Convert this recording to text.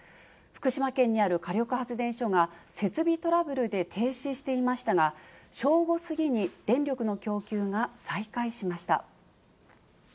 福島県にある火力発電所が、設備トラブルで停止していましたが、正午過ぎに電力の供給が再開しました。